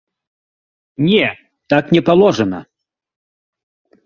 Не, так не паложана.